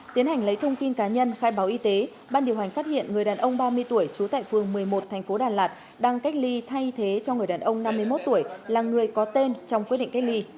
tiến hành lấy thông tin cá nhân khai báo y tế ban điều hành phát hiện người đàn ông ba mươi tuổi trú tại phường một mươi một thành phố đà lạt đang cách ly thay thế cho người đàn ông năm mươi một tuổi là người có tên trong quyết định cách ly